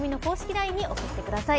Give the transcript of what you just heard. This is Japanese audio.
ＬＩＮＥに送ってください。